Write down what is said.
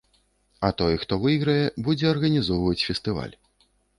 А той, хто выйграе, будзе арганізоўваць фестываль.